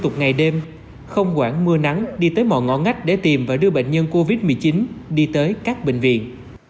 tâm không quản mưa nắng đi tới mọi ngõ ngách để tìm và đưa bệnh nhân covid một mươi chín đi tới các bệnh viện